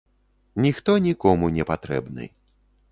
Ніхто нікому не патрэбны.